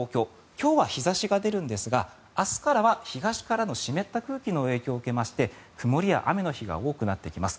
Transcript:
今日は日差しが出るんですが明日からは東からの湿った空気の影響を受けまして曇りや雨の日が多くなってきます。